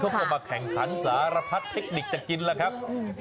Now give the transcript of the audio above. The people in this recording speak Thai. เข้ามาแข่งขันสารพัดเทคนิคจะกินแล้วครับ